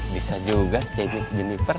bisa juga sepeda jennifer